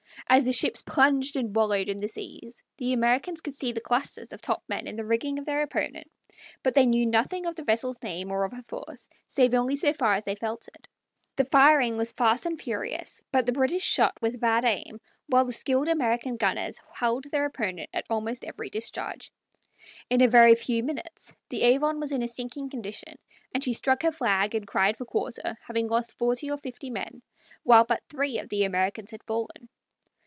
As the ships plunged and wallowed in the seas, the Americans could see the clusters of topmen in the rigging of their opponent, but they knew nothing of the vessel's name or of her force, save only so far as they felt it. The firing was fast and furious, but the British shot with bad aim, while the skilled American gunners hulled their opponent at almost every discharge. In a very few minutes the Avon was in a sinking condition, and she struck her flag and cried for quarter, having lost forty or fifty men, while but three of the Americans had fallen.